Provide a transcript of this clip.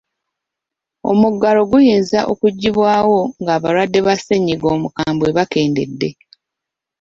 Omuggalo guyinza okuggyibwawo ng'abalwadde ba ssennyiga omukambwe bakendedde.